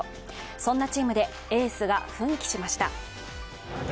そんなチームでエースが奮起しました。